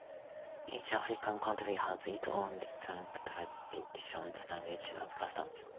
Each African country has its own distinct traditions, languages, and customs.